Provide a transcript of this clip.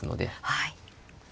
はい。